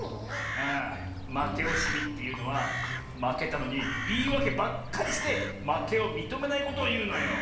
ああまけおしみっていうのはまけたのにいいわけばっかりしてまけをみとめないことをいうのよ。